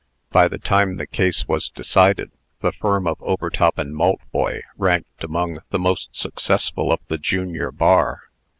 By the time the case was decided, the firm of Overtop & Maltboy ranked among the most successful of the Junior Bar.